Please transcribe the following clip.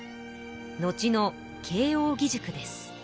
後の慶応義塾です。